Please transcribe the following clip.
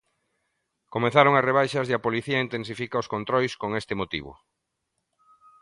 Comezaron as rebaixas e a policía intensifica os controis con este motivo.